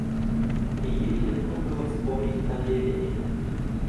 И ей легко было вспомнить о Левине.